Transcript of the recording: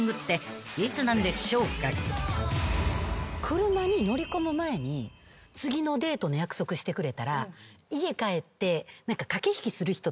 車に乗り込む前に次のデートの約束してくれたら家帰って。